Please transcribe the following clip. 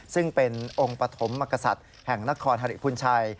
ซึ่งเป็นองค์ปฐมมกษัตริย์แห่งนครฮริพุนชัย